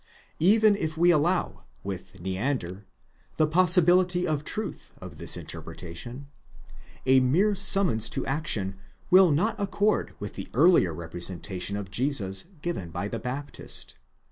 Even if we allow, with Neander, the possibility of truth to this inter pretation, a mere summons to action will not accord with the earlier repre sentation of Jesus given by the Baptist.